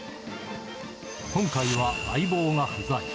今回は相棒が不在。